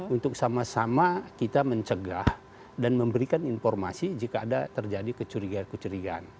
untuk sama sama kita mencegah dan memberikan informasi jika ada terjadi kecurigaan kecurigaan